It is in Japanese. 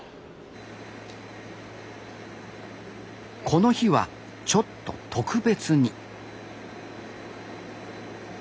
この日はちょっと特別に。